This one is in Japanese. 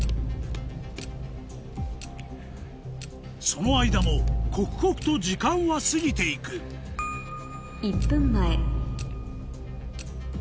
その間も刻々と時間は過ぎて行く１分前